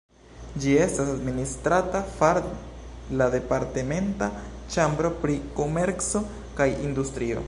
Ĝi estas administrata far la departementa Ĉambro pri komerco kaj industrio.